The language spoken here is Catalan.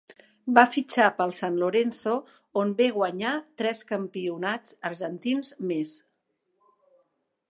Va fitxar pel San Lorenzo, on ve guanyar tres campionats argentins més.